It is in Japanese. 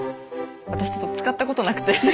私ちょっと使ったことなくて。